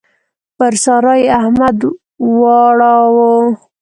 پر سارا يې احمد واړاوو.